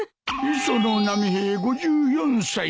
磯野波平５４歳。